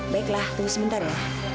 baiklah tunggu sebentar ya